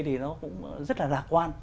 thì nó cũng rất là lạc quan